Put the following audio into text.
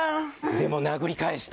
でも殴り返した。